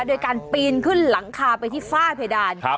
โดยการปีนขึ้นหลังคาไปที่ฝ้าเพดาน